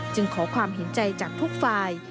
จึงขอความเห็นใจจากทุกฝ่าย